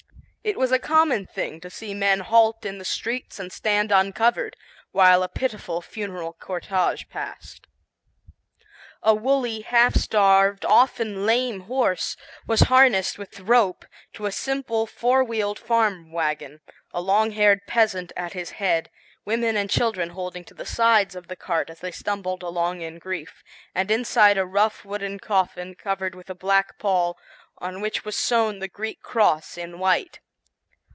It was a common thing to see men halt in the street and stand uncovered, while a pitiful funeral cortege passed. A wooly, half starved, often lame horse, was harnessed with rope to a simple four wheeled farm wagon, a long haired peasant at his head, women and children holding to the sides of the cart as they stumbled along in grief, and inside a rough wooden coffin covered with a black pall, on which was sewn the Greek cross, in white.